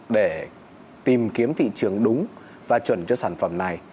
để tìm kiếm thị trường đúng và chuẩn cho sản phẩm này